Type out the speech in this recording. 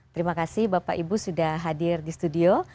terima kasih bapak ibu sudah hadir di studio